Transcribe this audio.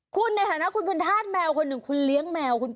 คุณในสถานที่คุณเป็นทาสแมวคุณเหลี้ยงแมว